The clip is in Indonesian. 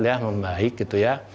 ya membaik gitu ya